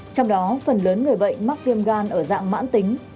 trong đó phần lớn người bệnh mắc viêm gan ở dạng mãn tính